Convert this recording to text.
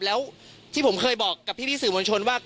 แล้วที่ผมเคยบอกกับพี่สื่อมวลชนว่า